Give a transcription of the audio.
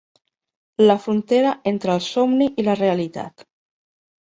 La frontera entre el somni i la realitat.